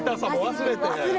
忘れて。